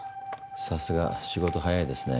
さすが仕事早いですね。